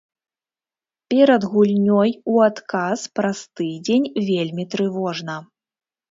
Перад гульнёй у адказ праз тыдзень вельмі трывожна.